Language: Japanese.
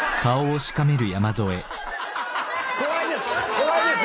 怖いです！